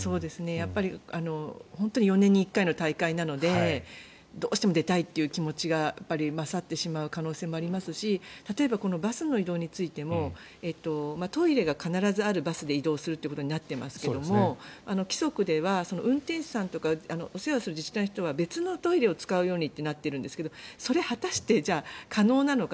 やっぱり本当に４年に１回の大会なのでどうしても出たいという気持ちが勝ってします可能性もありますし例えば、バスの移動についてもトイレが必ずあるバスで移動するということになってますけども規則では、運転手さんとかお世話をする自治体の人は別のトイレを使うようにってなっているんですけどそれは果たして可能なのか。